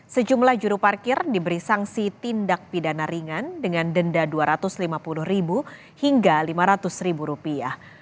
sejumlah juru parkir diberi sanksi tindak pidana ringan dengan denda dua ratus lima puluh hingga lima ratus ribu rupiah